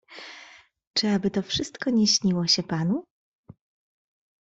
"Czy aby to wszystko nie śniło się panu?"